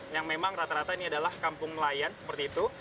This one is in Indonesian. yang memang rata rata ini adalah kampung nelayan seperti itu